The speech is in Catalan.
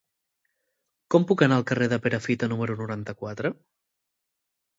Com puc anar al carrer de Perafita número noranta-quatre?